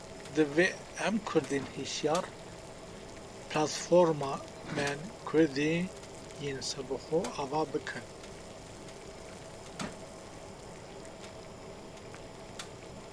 Divê em Kurdên hişyar platformen Kurdî yên serbixwe ava bikin